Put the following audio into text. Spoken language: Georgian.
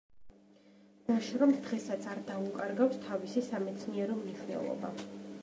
ნაშრომს დღესაც არ დაუკარგავს თავისი სამეცნიერო მნიშვნელობა.